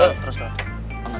terus terus terus kak